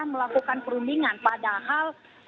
melakukan perundingan padahal